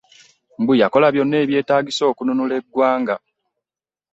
Mbu yakola byonna eby'etaagisa okununula eggwanga